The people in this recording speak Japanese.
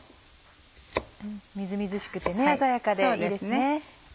みずみずしくて鮮やかでいいですね。